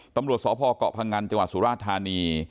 ตำรวจสพเกาะพงันจังหวัดสุราธานี